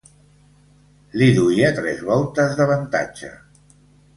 Li duia tres voltes d'avantatge.